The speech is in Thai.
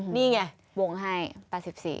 นี่ไงวงให้ตัว๑๔ปี